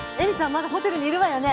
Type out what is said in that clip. まだホテルにいるわよね？